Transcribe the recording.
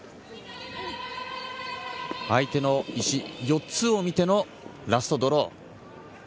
相手の石、４つを見てのラストドロー。